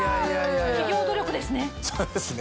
企業努力ですね。